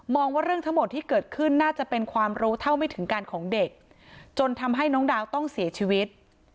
ว่าเรื่องทั้งหมดที่เกิดขึ้นน่าจะเป็นความรู้เท่าไม่ถึงการของเด็กจนทำให้น้องดาวต้องเสียชีวิต